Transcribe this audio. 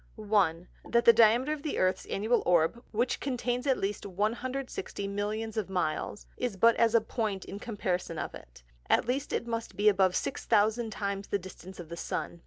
1. That the Diameter of the Earth's Annual Orb (which contains at least 160 Millions of Miles) is but as a Point in comparison of it; at least it must be above 6000 times the Distance of the Sun.